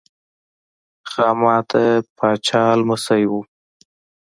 خاما د پاچا لمسی و.